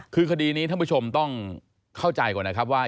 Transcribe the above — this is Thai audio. คือคดีนี้ท่านผู้ชมต้องเข้าใจก่อนนะครับว่า